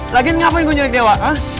lagian ngapain gue nyurik dewa